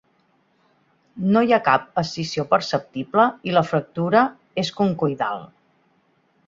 No hi ha cap escissió perceptible i la fractura és concoïdal.